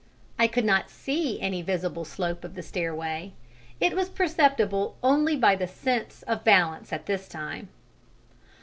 I could not see any visible slope of the stairway: it was perceptible only by the sense of balance at this time.